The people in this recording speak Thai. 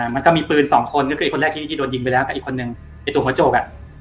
มันก็มีปืน๒คนก็คืออีกคนแรกที่โดนยิงไปแล้วกับอีกคนหนึ่งตัวหัวโจก